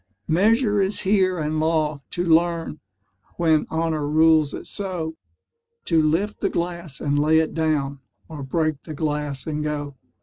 Measure is here and law, to learn, When honour rules it so, To lift the glass and lay it down Or break the glass and go.